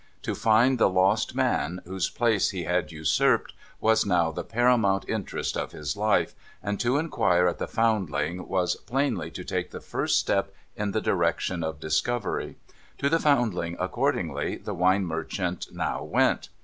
To find the lost man, whose place he had usurped, was now the paramount interest of his life, and to inquire at the Foundling was plainly to take the first step in the direction of discovery. To the Foundling, accord ingly, the wine merchant now went.